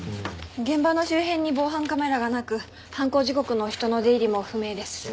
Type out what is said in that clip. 現場の周辺に防犯カメラがなく犯行時刻の人の出入りも不明です。